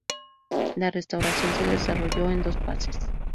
La restauración se desarrolló en dos fases.